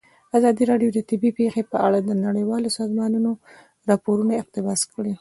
ازادي راډیو د طبیعي پېښې په اړه د نړیوالو سازمانونو راپورونه اقتباس کړي.